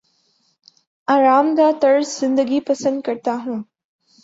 آرام دہ طرز زندگی پسند کرتا ہوں